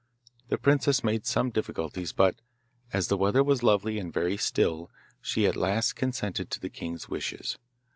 The princess made some difficulties, but, as the weather was lovely and very still, she at last consented to the king's wishes.